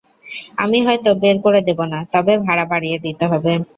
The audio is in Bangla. আমি হয়তো বের করে দেব না, তবে ভাড়া বাড়িয়ে দিতে হবে।